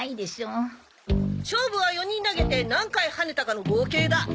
勝負は４人投げて何回跳ねたかの合計だ。